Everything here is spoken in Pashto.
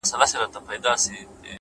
د انسانانو جهالت له موجه” اوج ته تللی”